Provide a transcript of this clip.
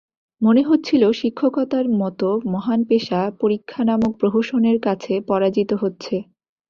মনে হচ্ছিল, শিক্ষকতার মতো মহান পেশা পরীক্ষা নামক প্রহসনের কাছে পরাজিত হচ্ছে।